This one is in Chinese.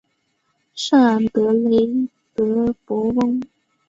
圣昂德雷德博翁。